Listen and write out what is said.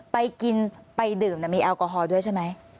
ไปกินไปดื่มมีแอลกอฮอล์ด้วยใช่ไหม